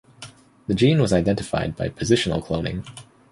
The gene was identified by positional cloning.